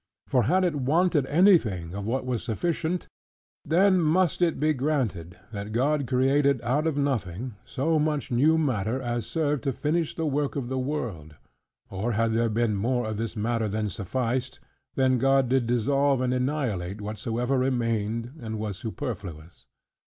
For, had it wanted anything of what was sufficient; then must it be granted, that God created out of nothing so much new matter, as served to finish the work of the world: or had there been more of this matter than sufficed, then God did dissolve and annihilate whatsoever remained and was superfluous.